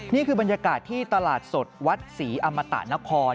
นี่คือบรรยากาศที่ตลาดสดวัดศรีอมตะนคร